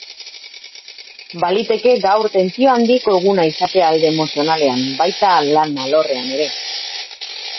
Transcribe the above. Baliteke gaur tentsio handiko eguna izatea alde emozionalean, baita lan alorrean ere.